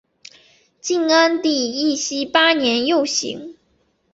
晋安帝义熙八年又省。